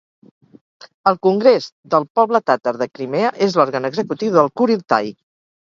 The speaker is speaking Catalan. El Congrés del Poble Tàtar de Crimea és l'òrgan executiu del kuriltai.